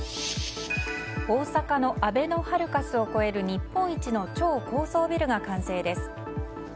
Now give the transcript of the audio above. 大阪のあべのハルカスを超える日本一の超高層ビルが完成です。